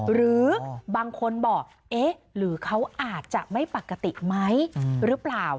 หรือบางคนบอกเอ๊ะหรือเขาอาจจะไม่ปกติไหมหรือเปล่า